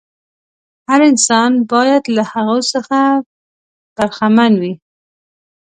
هر انسان باید له هغو څخه برخمن وي.